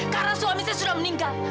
karena suami saya sudah meninggal